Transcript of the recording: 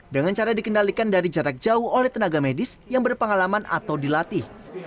dengan cara dikendalikan dari jarak jauh oleh tenaga medis yang berpengalaman atau dilatih